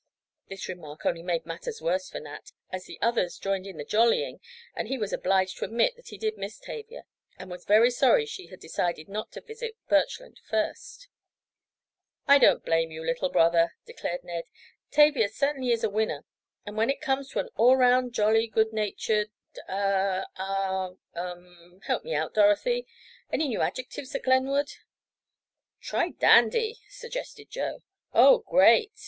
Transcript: This remark only made matters worse for Nat, as the others joined in the "jollying" and he was obliged to admit that he did miss Tavia, and was very sorry she had decided not to visit Birchland first. "I don't blame you, little brother," declared Ned. "Tavia certainly is a winner, and when it comes to an all round jolly, good natured—er—ah—um—help me out, Dorothy! Any new adjectives at Glenwood?" "Try 'dandy,'" suggested Joe. "Oh, great!"